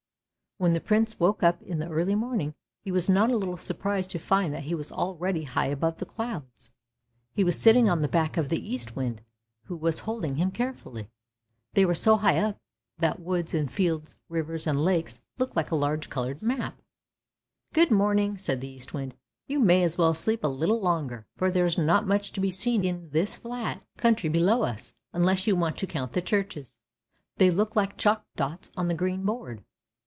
When the Prince woke up in the early morning, he was not a little surprised to find that he was already high above the clouds. He was sitting on the back of the Eastwind, who was holding him carefully! they were so high up that woods and fields, rivers and lakes, looked like a large coloured map. " Good morning," said the Eastwind. " You may as well sleep a little longer, for there is not much to be seen in this flat country below us, unless you want to count the churches. They look like chalk dots on the green board."